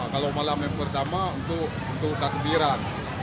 kalau malam yang pertama untuk takbiran